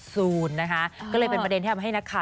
ซูนนะคะก็เลยเป็นประเด็นที่ทำให้นักข่าว